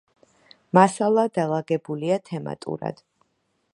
მასალა დალაგებულია თემატურად.